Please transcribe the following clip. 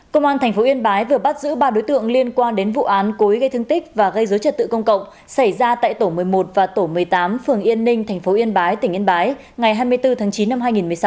công an tp yên bái vừa bắt giữ ba đối tượng liên quan đến vụ án cối gây thương tích và gây dối trật tự công cộng xảy ra tại tổ một mươi một và tổ một mươi tám phường yên ninh tp yên bái tỉnh yên bái ngày hai mươi bốn tháng chín năm hai nghìn một mươi sáu